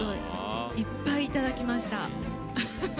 いっぱいいただきました。